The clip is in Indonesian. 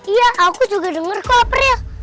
iya aku juga denger kapril